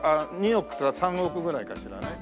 ２億とか３億ぐらいかしらね？